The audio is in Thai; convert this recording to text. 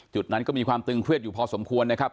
จุดนั้นก็มีความตึงเครียดอยู่พอสมควรนะครับ